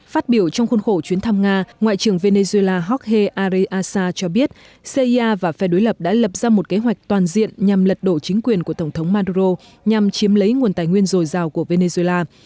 phát biểu trong khuôn khổ chuyến thăm nga ngoại trưởng venezuela jorge arreasa cho biết cia và phe đối lập đã lập ra một kế hoạch toàn diện nhằm lật đổ chính quyền của tổng thống maduro nhằm chiếm lấy nguồn tài nguyên dồi dào của venezuela